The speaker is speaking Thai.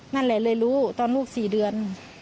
นั่นแหละเลยรู้ตอนลูก๔เดือน